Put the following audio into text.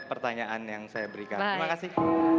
pertanyaan yang saya berikan terima kasih